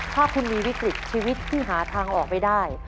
ถ้าคุณมีวิกฤตชีวิตที่หาทางออกไม่ได้